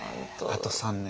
あと３年。